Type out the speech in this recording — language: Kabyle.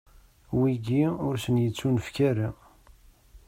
Wigi, ur sen-ittunefk ara.